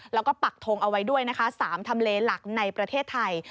แล้วก็ปักทงเอาไว้ด้วยนะคะ๓ทำเลหลักในประเทศไทย